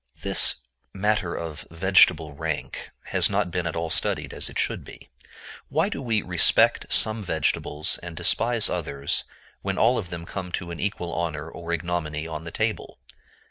This matter of vegetable rank has not been at all studied as it should be. Why do we respect some vegetables and despise others, when all of them come to an equal honor or ignominy on the table?